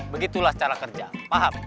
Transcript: begitulah cara kerja paham